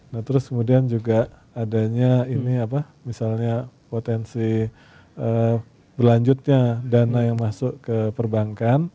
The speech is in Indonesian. nah terus kemudian juga adanya ini apa misalnya potensi berlanjutnya dana yang masuk ke perbankan